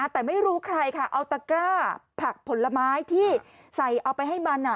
แต่ไม่รู้ใครค่ะเอาตะกร้าผักผลไม้ที่ใส่เอาไปให้มัน